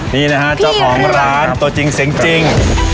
นี่นะฮะเจ้าของร้านตัวจริงเสียงจริง